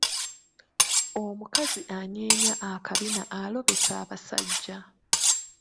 Omukazi anyeenya akabina alobesa abasajja.